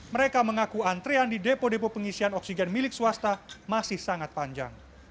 mereka mengaku antrean di depo depo pengisian oksigen milik swasta masih sangat panjang